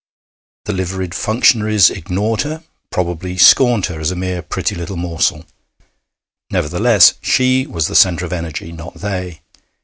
The liveried functionaries ignored her, probably scorned her as a mere pretty little morsel. Nevertheless, she was the centre of energy, not they.